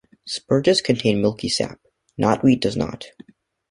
Spurges contain milky sap; knotweed does not.